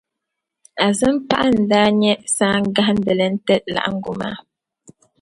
Azimpaɣa n-daa nyɛ saan'gahindili n-ti laɣingu maa